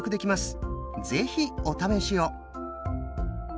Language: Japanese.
是非お試しを！